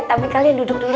tapi kalian duduk dulu